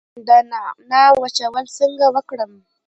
د نعناع وچول څنګه وکړم؟